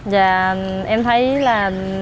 dạ em thấy là